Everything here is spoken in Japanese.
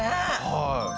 はい。